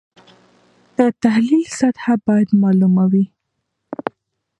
د تحلیل سطحه باید معلومه وي.